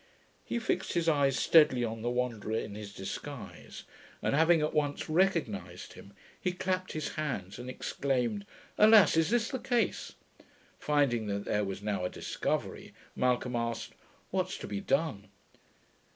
He fixed his eyes steadily on the Wanderer in his disguise, and having at once recognized him, he clapped his hands, and exclaimed, 'Alas! is this the case?' Finding that there was now a discovery, Malcolm asked, 'What's to be done?'